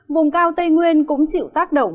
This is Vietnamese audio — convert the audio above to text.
vùng cao tây nguyên cũng chịu tác động